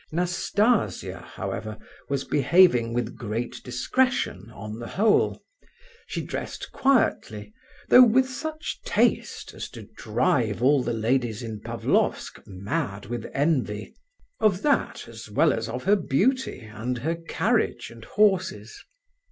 Nastasia, however, was behaving with great discretion on the whole. She dressed quietly, though with such taste as to drive all the ladies in Pavlofsk mad with envy, of that, as well as of her beauty and her carriage and horses.